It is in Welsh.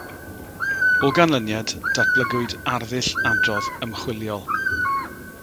O ganlyniad, datblygwyd arddull adrodd ymchwiliol.